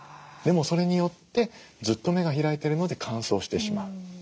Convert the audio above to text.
でもそれによってずっと目が開いてるので乾燥してしまう。